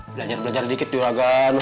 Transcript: belajar belajar dikit juragan gak boleh